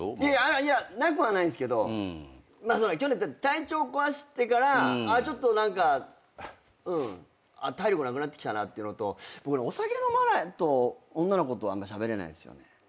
いやなくはないんすけど去年体調壊してからちょっと何かうん。体力なくなってきたっていうのと僕お酒飲まないと女の子とあんましゃべれない。